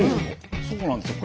そうなんですよ。